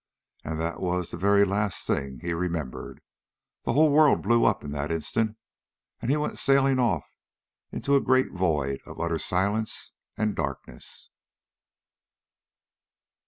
And that was the very last thing he remembered. The whole world blew up in that instant and he went sailing off into a great void of utter silence and darkness.